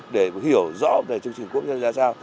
để hiểu rõ về chương trình ô cốp ra sao